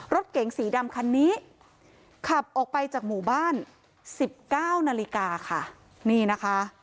รถเก๋งสีดำคันนี้ขับออกไปจากหมู่บ้าน๑๙นาฬิกาค่ะนี่นะคะ